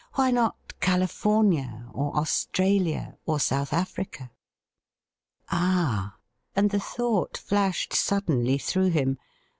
Why not California, or Australia, or South Africa ? Ah! and the thought flashed suddenly through him.